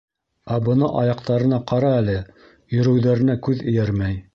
Ә бына аяҡтарына ҡара әле, йөрөүҙәренә күҙ эйәрмәй.